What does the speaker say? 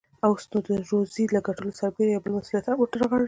اوس، نو د روزۍ له ګټلو سربېره يو بل مسئوليت هم ور ترغاړې شو.